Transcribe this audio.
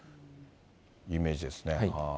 イメージですね。